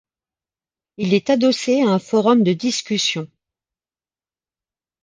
Il est adossé à un forum de discussion.